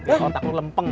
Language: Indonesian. esok otak lu lempeng eh